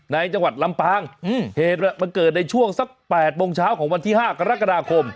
จังหวัดลำปางเหตุมันเกิดในช่วงสัก๘โมงเช้าของวันที่๕กรกฎาคม